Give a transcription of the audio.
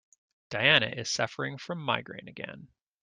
Diana is suffering from migraine again.